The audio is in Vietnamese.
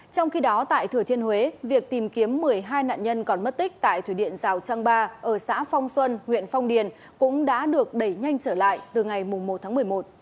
trong khi đó tại thừa thiên huế việc tìm kiếm một mươi hai nạn nhân còn mất tích tại thủy điện rào trăng ba ở xã phong xuân huyện phong điền cũng đã được đẩy nhanh trở lại từ ngày một tháng một mươi một